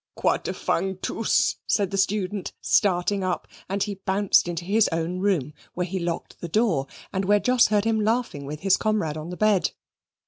"Quater fang tooce!" said the student, starting up, and he bounced into his own room, where he locked the door, and where Jos heard him laughing with his comrade on the bed.